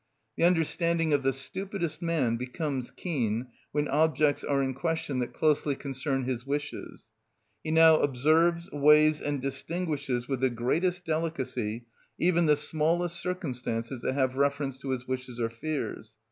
The understanding of the stupidest man becomes keen when objects are in question that closely concern his wishes; he now observes, weighs, and distinguishes with the greatest delicacy even the smallest circumstances that have reference to his wishes or fears.